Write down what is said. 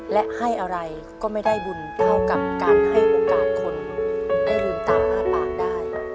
และให้อะไรก็ไม่ได้บุญเท่ากับการให้โอกาสคนได้ลืมตาอ้าปากได้